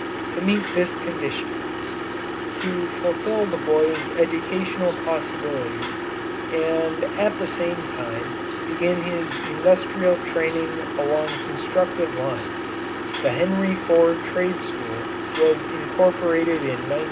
To meet this condition to fulfill the boy's educational possibilities and at the same time begin his industrial training along constructive lines the Henry Ford Trade School was incorporated in 1916.